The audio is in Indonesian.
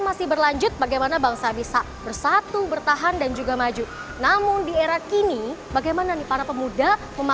masih berlanjut bagaimana bangsa bisa bersatu bertahan dan juga maju namun di era kini bagaimana nih para pemuda